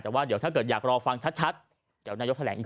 แต่ว่าเดี๋ยวถ้าเกิดอยากรอฟังชัดเดี๋ยวนายกแถลงอีก